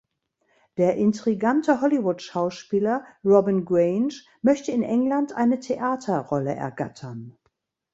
Der intrigante Hollywoodschauspieler Robin Grange möchte in England eine Theaterrolle ergattern.